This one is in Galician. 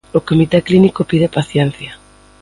O comité clínico pide paciencia.